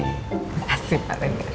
terima kasih pak regar